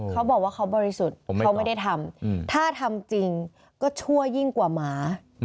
เขาบอกว่าเขาบริสุทธิ์เขาไม่ได้ทำถ้าทำจริงก็ชั่วยิ่งกว่าหมา